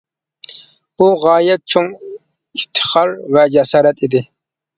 بۇ غايەت چوڭ ئىپتىخار ۋە جاسارەت ئىدى.